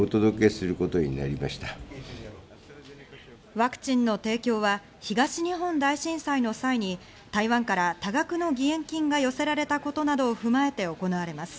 ワクチンの提供は東日本大震災の際に台湾から多額の義援金が寄せられたことなどを踏まえて行われます。